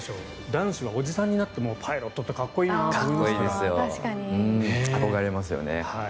男子はおじさんになってもパイロットってかっこいいなって思いますよね。